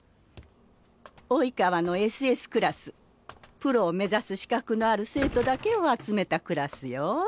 「生川」のＳＳクラスプロを目指す資格のある生徒だけを集めたクラスよ。